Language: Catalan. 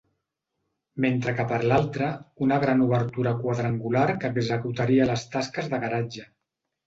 Mentre que per l'altra una gran obertura quadrangular que executaria les tasques de garatge.